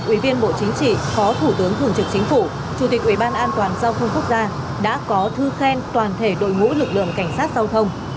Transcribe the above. ủy viên bộ chính trị phó thủ tướng thường trực chính phủ chủ tịch ủy ban an toàn giao thông quốc gia đã có thư khen toàn thể đội ngũ lực lượng cảnh sát giao thông